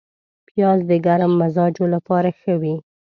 پیاز د ګرم مزاجو لپاره ښه وي